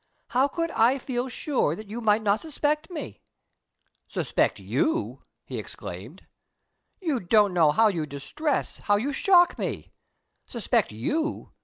How could I feel sure that you might not suspect me?" "Suspect you!" he exclaimed. "You don't know how you distress, how you shock me. Suspect _you!